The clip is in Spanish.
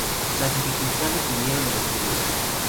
Las dificultades vinieron del exterior.